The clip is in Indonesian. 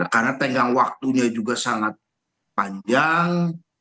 karena tenggang waktunya juga sangat panjang